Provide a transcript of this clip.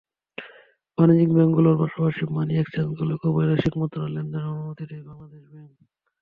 বাণিজ্যিক ব্যাংকগুলোর পাশাপাশি মানি এক্সচেঞ্জগুলোকে বৈদেশিক মুদ্রা লেনদেনের অনুমতি দেয় বাংলাদেশ ব্যাংক।